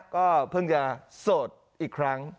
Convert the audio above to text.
ก็เพิ่งจะโสดอีกครั้ง